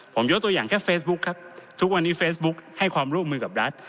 ผมยกตัวอย่างแค่เฟซบุ๊คครับทุกวันนี้เฟซบุ๊คให้ความร่วมมือกับรัฐ